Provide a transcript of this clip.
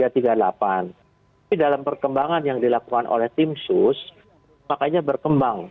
tapi dalam perkembangan yang dilakukan oleh tim sus makanya berkembang